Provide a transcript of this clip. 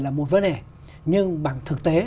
là một vấn đề nhưng bằng thực tế